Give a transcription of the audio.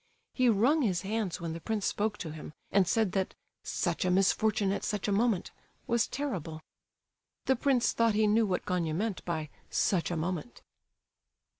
He wrung his hands when the prince spoke to him, and said that "such a misfortune at such a moment" was terrible. The prince thought he knew what Gania meant by "such a moment."